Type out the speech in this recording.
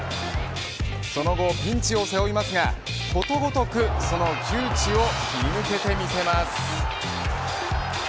その後ピンチを背負いますがことごとくその窮地を切り抜けてみせます。